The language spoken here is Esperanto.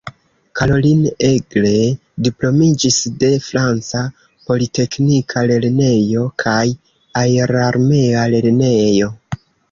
Caroline Aigle diplomiĝis de "Franca Politeknika Lernejo" kaj "Aerarmea Lernejo".